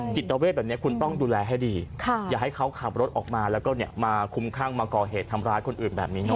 จิตเวทแบบนี้คุณต้องดูแลให้ดีอย่าให้เขาขับรถออกมาแล้วก็มาคุ้มข้างมาก่อเหตุทำร้ายคนอื่นแบบนี้เน